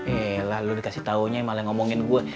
eh lah lu dikasih tahunya malah ngomongin gua